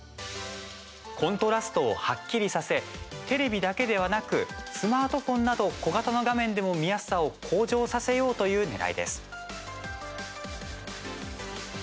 コントラストをはっきりさせテレビだけではなくスマートフォンなど小型の画面でも、見やすさを向上させようというねらいです。